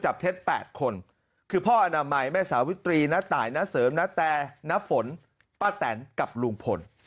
เท็จ๘คนคือพ่ออนามัยแม่สาวิตรีณตายณเสริมณแต่ณฝนป้าแตนกับลุงพล